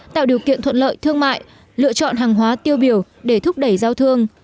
tạo điều kiện thuận lợi thương mại lựa chọn hàng hóa tiêu biểu để thúc đẩy giao thương